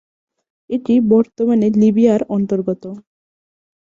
এটি বর্তমানে লিবিয়ার অন্তর্গত।